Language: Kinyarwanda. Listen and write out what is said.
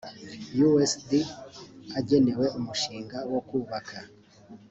usd agenewe umushinga wo kubaka